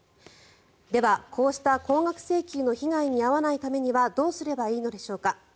では、こうした高額請求の被害に遭わないためにはどうしたらいいのでしょうか。